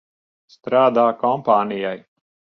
Strādā kompānijai.